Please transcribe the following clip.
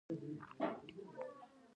هر کلمه پښتو زموږ د تاریخ برخه ده.